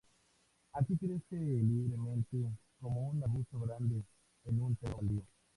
Aquí crece libremente como un arbusto grande en un terreno baldío.